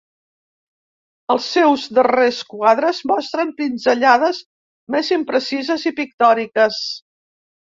Els seus darrers quadres mostren pinzellades més imprecises i pictòriques.